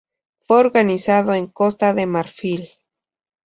Fue organizado en Costa de Marfil.